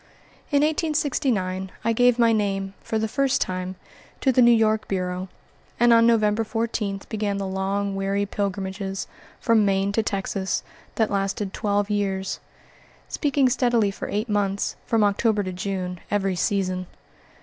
In 1869 I gave my name, for the first time, to the New York Bureau, and on November 14 began the long, weary pilgrimages, from Maine to Texas, that lasted twelve years; speaking steadily for eight months from October to June every season.